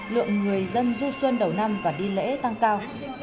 lượng người dân du xuân đầu năm và đi lễ tăng cao